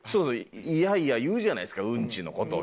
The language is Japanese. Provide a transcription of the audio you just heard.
嫌嫌言うじゃないですかうんちの事を。